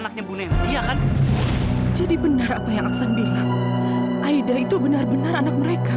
atau jangan jangan benar ya